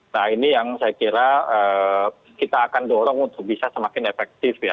nah ini yang saya kira kita akan dorong untuk bisa semakin efektif ya